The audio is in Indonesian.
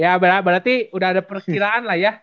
ya berarti udah ada persilahan lah ya